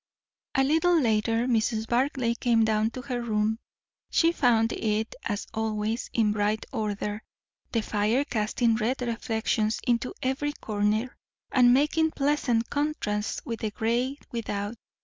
A little later, Mrs. Barclay came down to her room. She found it, as always, in bright order; the fire casting red reflections into every corner, and making pleasant contrast with the grey without.